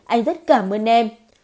anh rất cảm ơn em